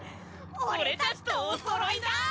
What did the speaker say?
俺たちとおそろいだ！